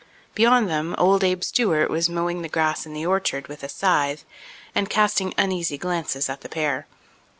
Beyond them, old Abe Stewart was mowing the grass in the orchard with a scythe and casting uneasy glances at the pair.